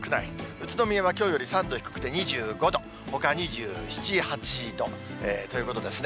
宇都宮はきょうより３度低くて２５度、ほか２７、８度ということですね。